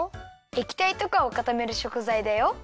えきたいとかをかためるしょくざいだよ。